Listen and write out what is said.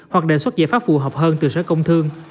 hoặc đề xuất giải pháp phù hợp hơn từ sở công thương